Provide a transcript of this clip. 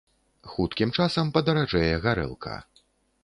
Хуткім часам падаражэе гарэлка.